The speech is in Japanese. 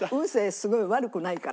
すごい悪くないから。